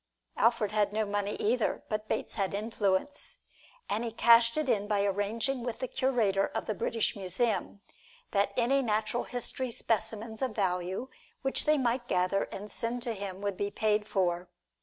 Alfred had no money either, but Bates had influence, and he cashed it in by arranging with the Curator of the British Museum, that any natural history specimens of value which they might gather and send to him would be paid for.